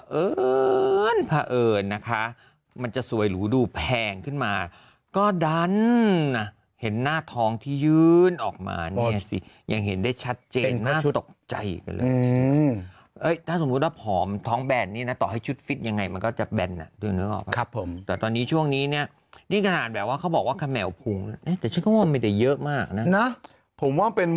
เอิญพระเอิญนะคะมันจะสวยหรูดูแพงขึ้นมาก็ดันนะเห็นหน้าท้องที่ยื่นออกมาเนี่ยสิยังเห็นได้ชัดเจนน่าตกใจกันเลยถ้าสมมุติว่าผอมท้องแบนนี่นะต่อให้ชุดฟิตยังไงมันก็จะแบนอ่ะด้วยนึกออกไหมครับผมแต่ตอนนี้ช่วงนี้เนี่ยนี่ขนาดแบบว่าเขาบอกว่าเขม่าวพุงแต่ชุดคำว่าไม่ได้เยอะมากนะผมว่าเป็น